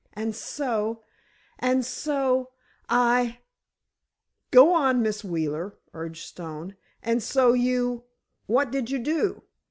And so—and so, I——" "Go on, Miss Wheeler," urged Stone, "and so you—what did you do?"